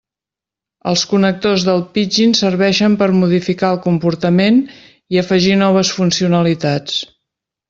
Els connectors del Pidgin serveixen per modificar el comportament i afegir noves funcionalitats.